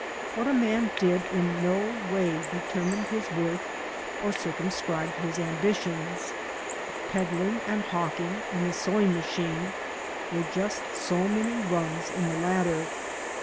What a man did in no way determined his worth or circumscribed his ambitions. Peddling and hawking and the sewing machine were just so many rungs in the ladder.